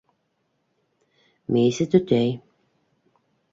Мейесе төтәй.